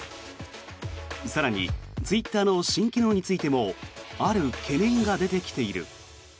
更に、ツイッターの新機能についてもある懸念が出てきている。